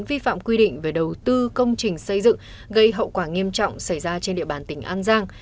vi phạm quy định về đầu tư công trình xây dựng gây hậu quả nghiêm trọng xảy ra trên địa bàn tỉnh an giang